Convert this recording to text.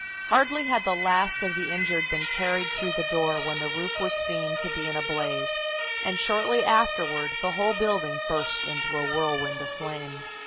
Hardly had the last of the injured been carried through the door when the roof was seen to be in a blaze, and shortly afterward the whole building burst into a whirlwind of flame.